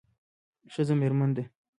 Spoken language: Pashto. ښځه میرمن ده